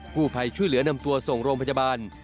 ผู้ภัยช่วยเหลือนำตัวส่งโรงพยาบาล